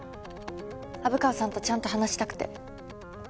虻川さんとちゃんと話したくて。